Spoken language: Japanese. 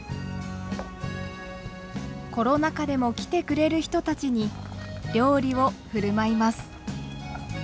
コロナ禍でも来てくれる人たちに料理を振る舞います。